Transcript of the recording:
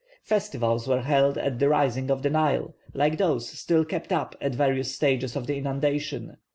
Festivals were held at the rising of the Nile, like those still kept up at various stages of the inundation.